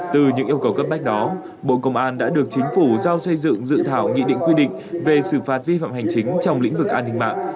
từ những yêu cầu cấp bách đó bộ công an đã được chính phủ giao xây dựng dự thảo nghị định quy định về xử phạt vi phạm hành chính trong lĩnh vực an ninh mạng